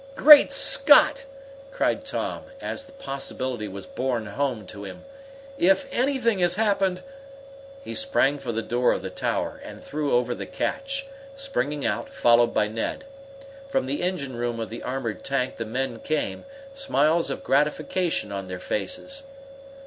"Great Scott!" cried Tom, as the possibility was borne home to him. "If anything has happened " He sprang for the door of the tower and threw over the catch, springing out, followed by Ned. From the engine room of the armored tank the men came, smiles of gratification on their faces.